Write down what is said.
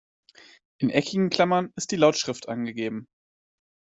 In eckigen Klammern ist die Lautschrift angegeben.